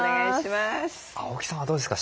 青木さんはどうですか？